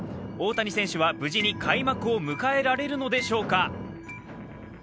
大谷選手は無事に開幕を迎えられるのでしょうか。